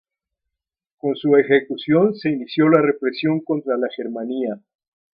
Con su ejecución se inició la represión contra la germanía.